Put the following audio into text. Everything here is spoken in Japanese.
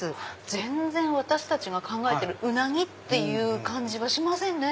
全然私たちが考えてるウナギっていう感じはしませんね。